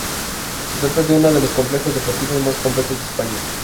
Se trata de uno de los complejos deportivos más completos de España.